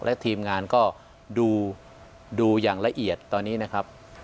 และทีมงานก็ดูอย่างละเอียดตอนนี้นะครับ